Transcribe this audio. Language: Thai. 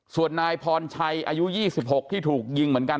ส่วนนายพรชัยอายุ๒๖ที่ถูกยิงเหมือนกัน